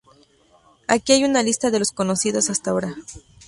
Aquí hay una lista de los conocidos hasta ahora.